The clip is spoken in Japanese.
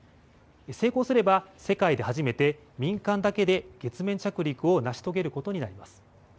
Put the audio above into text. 成功すれば世界で初めて民間だけで月面着陸を成し遂げることになります。